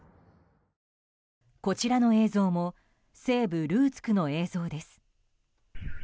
こちらの映像も西部ルーツクの映像です。